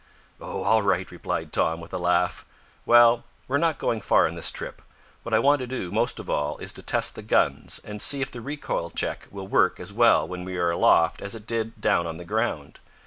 "Oh, all right," replied Tom, with a laugh. "Well, we're not going far on this trip. What I want to do, most of all, is to test the guns, and see if the recoil check will work as well when we are aloft as it did down on the ground.